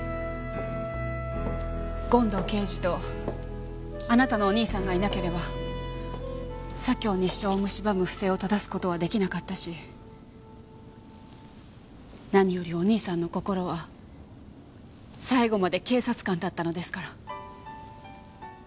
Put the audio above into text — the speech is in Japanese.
権藤刑事とあなたのお兄さんがいなければ左京西署を蝕む不正をただす事は出来なかったし何よりお兄さんの心は最後まで警察官だったのですから。